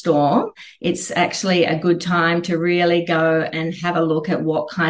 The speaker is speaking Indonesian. karena ini bukan waktu untuk berdiri di lorong dan menangkap pemberian